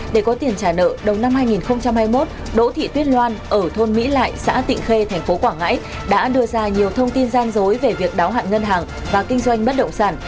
để có tiền trả nợ đầu năm hai nghìn hai mươi một đỗ thị tuyết loan ở thôn mỹ lại xã tịnh khê tp quảng ngãi đã đưa ra nhiều thông tin gian dối về việc đáo hạn ngân hàng và kinh doanh bất động sản